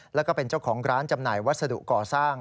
แล้วก็เป็นเจ้าของร้านจำหน่ายวัสดุก่อสร้าง